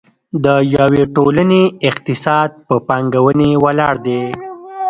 د یوې ټولنې اقتصاد په پانګونې ولاړ دی.